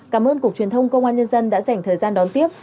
cảm ơn cục truyền thông công an nhân dân đã dành thời gian đón tiếp